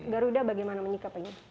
garuda bagaimana menyikapinya